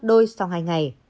đôi sau hai ngày